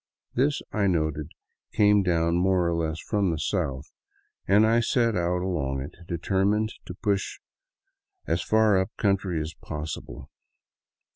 This, I noted, came down more or less from the south, and I set out along it, determined to push as far up country as possible.